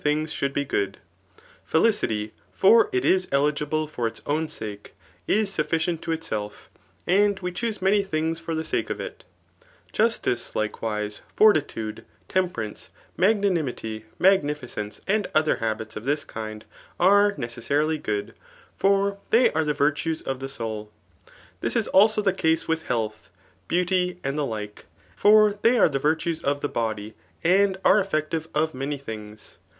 € S4 THX ART OP things should be good: fdictty; for it is eligible for its owa sake, is sufficient to itself, and we dioose many things fiir the sake of it Justice, likewise, fortitude, temperance^ magnanimity, magnificence, and other habits of this kind, [dre necessarily good ;] for they are the virtues of the souL This is also the case with health, beauty, and die like ; for they are the vutues of the body, and are eflFec«* tive of many things.